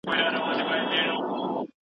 د هغوی اثار زموږ لپاره علمي میراث دی.